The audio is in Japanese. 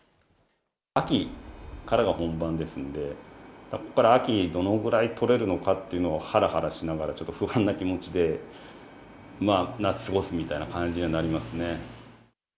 秋からが本番ですんで、秋にどのくらい取れるのかというのをはらはらしながら、ちょっと不安な気持ちで、夏過ごすみたいな感じにはなりますね。